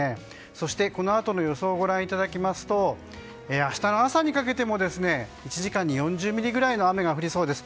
そして、このあとの予想をご覧いただきますと明日の朝にかけても１時間に４０ミリぐらいの雨が降りそうです。